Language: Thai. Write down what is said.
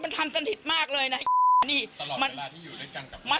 ทำสนิทมากเลยนะ